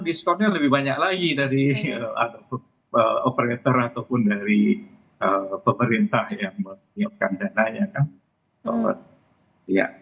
diskonnya lebih banyak lagi dari operator ataupun dari pemerintah yang menyiapkan dananya kan